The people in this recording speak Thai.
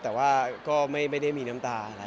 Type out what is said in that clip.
แต่ว่าก็ไม่ได้มีน้ำตาอะไร